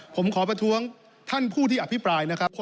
ผมขอประท้วงท่านผู้ที่อภิปรายนะครับ